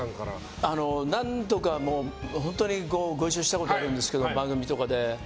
何度かご一緒したことあるんですけど番組とかで。